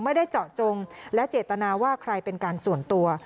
ไม่ได้เจาะจงและเจตนาว่าใครเป็นการส่วนตัว